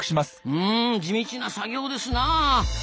うん地道な作業ですなあ。